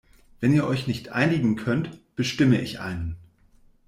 Wenn ihr euch nicht einigen könnt, bestimme ich einen.